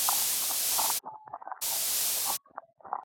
د افغانستان طبیعت له مورغاب سیند څخه جوړ شوی دی.